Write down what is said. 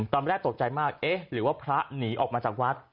ตอนแรกตกใจมากเอ๊ะหรือว่าพระหนีออกมาจากวัด